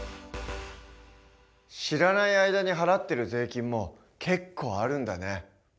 知らない間に払ってる税金も結構あるんだね。